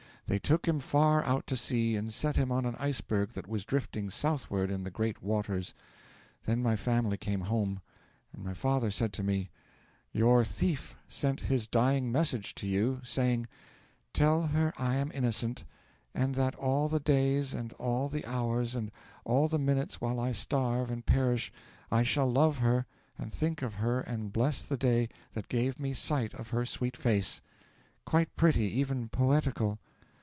'They took him far out to sea and set him on an iceberg that was drifting southward in the great waters. Then my family came home, and my father said to me: '"Your thief sent his dying message to you, saying, 'Tell her I am innocent, and that all the days and all the hours and all the minutes while I starve and perish I shall love her and think of her and bless the day that gave me sight of her sweet face.'" Quite pretty, even poetical!